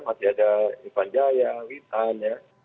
masih ada irfan jaya witan ya